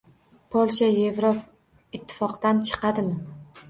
Polsha Yevroittifoqdan chiqadimi?